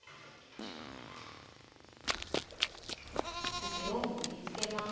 さけを盛りつけます。